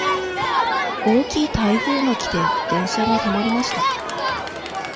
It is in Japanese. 大きい台風が来て、電車が止まりました。